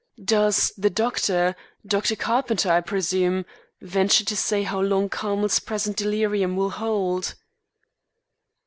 Does the doctor Dr. Carpenter, I presume, venture to say how long Carmel's present delirium will hold?"